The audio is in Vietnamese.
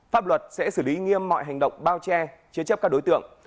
pháp luật sẽ xử lý nghiêm mọi hành động bao che chế chấp các đối tượng